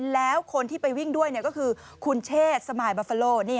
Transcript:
แล้วคนที่ไปวิ่งด้วยก็คือคุณเชษสมายบาฟาโล